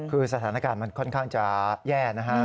คือสถานการณ์มันค่อนข้างจะแย่นะฮะ